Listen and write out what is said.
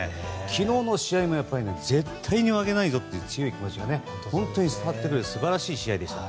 昨日の試合も絶対に負けないぞという強い気持ちが伝わってくる素晴らしい試合でした。